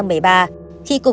ngân nói chuyện